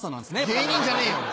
芸人じゃねえよ。